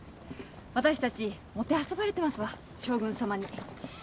私たちもてあそばれてますわ将軍様に。